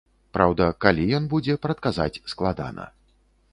Праўда, калі ён будзе, прадказаць складана.